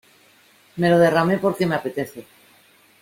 Me lo derramé porque me apetece.